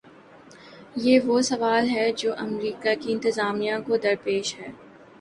یہ وہ سوال ہے جو امریکہ کی انتظامیہ کو درپیش ہے۔